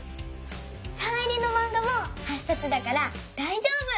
サイン入りのマンガも８さつだからだいじょうぶ！